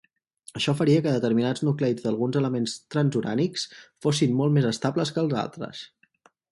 Això faria que determinats nucleids d'alguns elements transurànics fossin molt més estables que els altres.